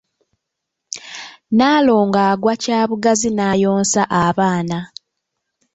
Nnaalongo agwa kyabugazi n’ayonsa abaana.